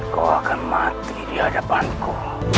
kau akan mati di hadapanku